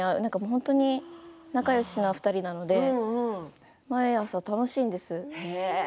本当に仲よしなお二人なので毎朝、楽しいんです。